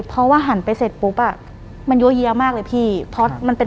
หลังจากนั้นเราไม่ได้คุยกันนะคะเดินเข้าบ้านอืม